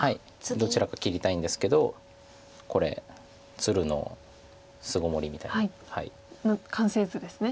どちらか切りたいんですけどこれ鶴の巣ごもりみたいな。の完成図ですね。